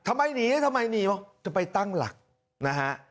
ทำไมหนีทำไมหนีจะไปตั้งหลักนะฮะ